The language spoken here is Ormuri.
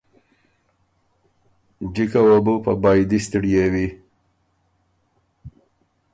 جکه وه بو په بائدی ستِړیېوی۔